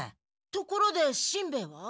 ところでしんベヱは？